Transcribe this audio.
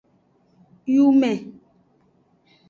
Yume.